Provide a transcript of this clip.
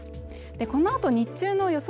このあと日中の予想